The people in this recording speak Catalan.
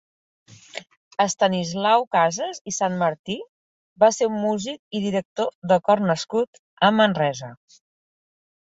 Estanislau Casas i Sanmartí va ser un músic i director de cor nascut a Manresa.